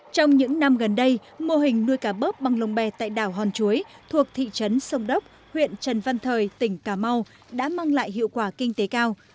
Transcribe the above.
trong những năm gần đây mô hình nuôi cá bớp bằng lồng bè tại đảo hòn chuối thuộc thị trấn sông đốc huyện trần văn thời tỉnh cà mau đã mang lại hiệu quả kinh tế cao